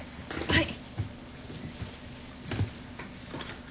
はい。